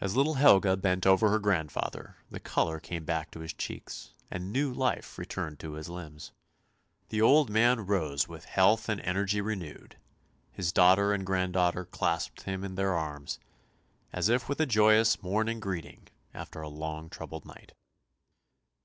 As little Helga bent over her grandfather, the colour came back to his cheeks, and new life returned to his limbs. The old man rose with health and energy renewed; his daughter and granddaughter clasped him in their arms, as if with a joyous morning greeting after a long troubled night.